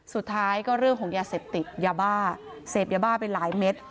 สุดท้ายก็เรื่องของยาเสพติดยาบ้าเสพยาบ้าไปหลายเม็ด